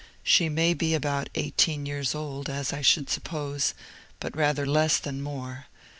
She may be about eighteen years old, as I should suppose, but rather less than more.